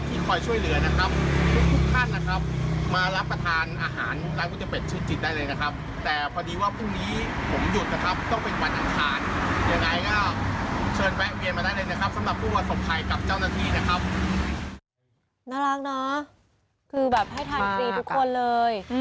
คือแบบให้ทานฟรีทุกคนเลย